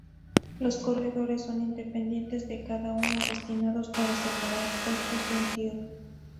Los corredores son independientes de cada uno, destinados para separar cuartos de entierro.